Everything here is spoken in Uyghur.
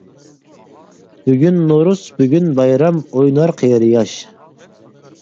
بۈگۈن نورۇز، بۈگۈن بايرام، ئوينار قېرى-ياش.